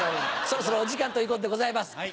そろそろお時間ということでございます。